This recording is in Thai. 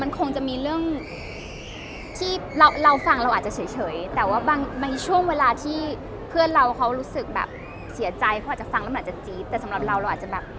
มันคงจะมีเรื่องที่เราเราฟังเราอาจจะเฉยแต่ว่าบางช่วงเวลาที่เพื่อนเราเขารู้สึกแบบเสียใจเขาอาจจะฟังแล้วมันอาจจะจี๊ดแต่สำหรับเราเราอาจจะแบบ